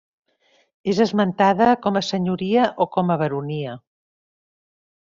És esmentada com a senyoria o com a baronia.